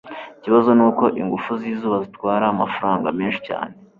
Ikibazo nuko ingufu zizuba zitwara amafaranga menshi cyane